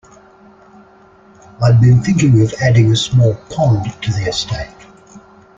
I'd been thinking of adding a small pond to the estate.